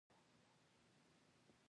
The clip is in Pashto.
سهار د عرفات په لور په میټرو کې ولاړو.